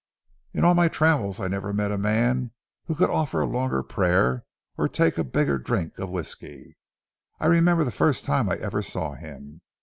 In all my travels I never met a man who could offer a longer prayer or take a bigger drink of whiskey. I remember the first time I ever saw him.